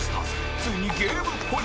ついにゲームポイント